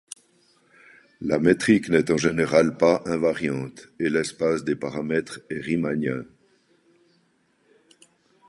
La métrique n'est en général pas invariante, et l'espace des paramètres est Riemannien.